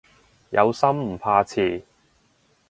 有心唔怕遲